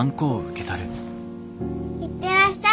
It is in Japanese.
行ってらっしゃい。